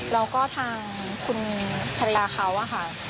แล้วก็ทางคุณภรรยาเขาอะค่ะ